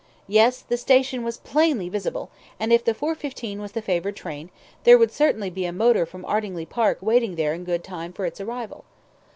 Yes: the station was plainly visible, and if the 4.15 was the favoured train, there would certainly be a motor from Ardingly Park waiting there in good time for its arrival.